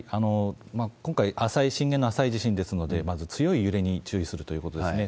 今回、震源の浅い地震ですので、まず強い揺れに注意するということですね。